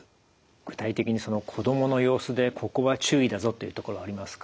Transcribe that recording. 具体的に子どもの様子でここは注意だぞというところありますか？